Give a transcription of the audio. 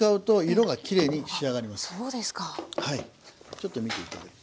ちょっと見ていただいて。